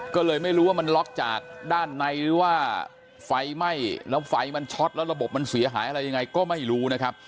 ก็เลยไม่รู้ว่ามันล็อกจากด้านในหรือว่าไฟไหม้แล้วไฟมันช็อตแล้วระบบมันเสียหายอะไรยังไงก็ไม่รู้นะครับ